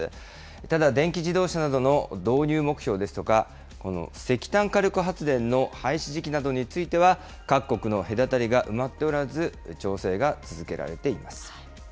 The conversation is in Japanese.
ただ、電気自動車などの導入目標ですとか、この石炭火力発電の廃止時期などについては、各国の隔たりが埋まっておらず、調整が続けられています。